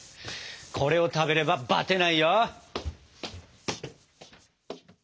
これを食べればバテないよ！